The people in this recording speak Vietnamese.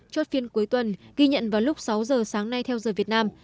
chốt phiên cuối tuần ghi nhận vào lúc sáu giờ sáng nay theo giờ việt nam